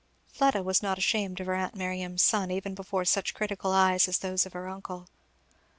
Fleda was not ashamed of her aunt Miriam's son, even before such critical eyes as those of her uncle.